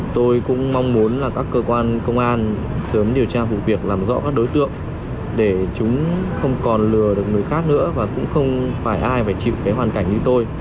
tôi cũng mong muốn là các cơ quan công an sớm điều tra vụ việc làm rõ các đối tượng để chúng không còn lừa được người khác nữa và cũng không phải ai phải chịu hoàn cảnh như tôi